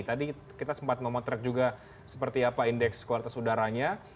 tadi kita sempat memotret juga seperti apa indeks kualitas udaranya